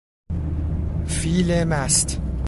فیل مست